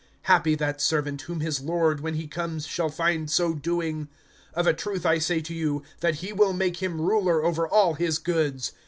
(43)Happy that servant, whom his lord when he comes shall find so doing! (44)Of a truth I say to you, that he will make him ruler over all his goods.